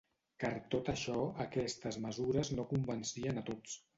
Car tot això, aquestes mesures no convencien a tots.